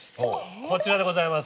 こちらでございます。